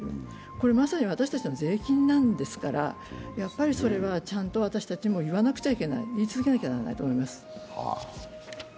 これまさに私たちの税金なんですから、やっぱりそれは私たちも言わなくてはいけない言い続けなきゃならないと思います。